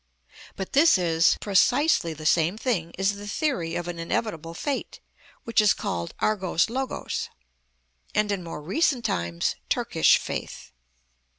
But this is precisely the same thing as the theory of an inevitable fate which is called αργος λογος, and in more recent times Turkish faith.